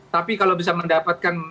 tapi kalau bisa mendapatkan